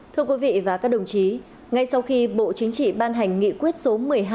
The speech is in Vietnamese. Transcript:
thưa quý vị và các đồng chí ngay sau khi bộ chính trị ban hành nghị quyết số một mươi hai